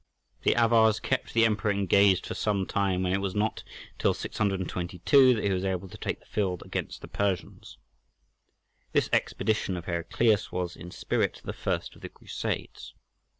The Avars kept the Emperor engaged for some time, and it was not till 622 that he was able to take the field against the Persians. This expedition of Heraclius was in spirit the first of the Crusades.